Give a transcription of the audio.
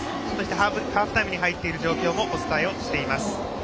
ハーフタイムに入っている状況もお伝えをしています。